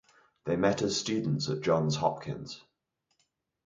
They met as students at Johns Hopkins.